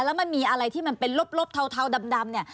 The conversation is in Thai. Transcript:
แล้วมันมีอะไรที่มันเป็นลบเทาดำเนี่ย